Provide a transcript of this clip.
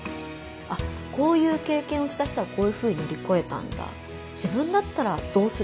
あっこういう経験をした人はこういうふうに乗り越えたんだ。